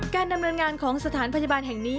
การดำเนินงานของสถานพยาบาลแห่งนี้